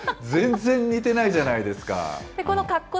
全然似てないじゃないですか。